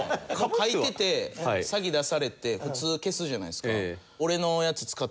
書いてて先に出されて普通消すじゃないですか。